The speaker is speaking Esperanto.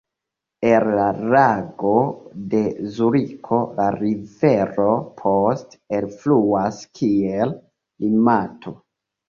El la Lago de Zuriko la rivero poste elfluas kiel Limato.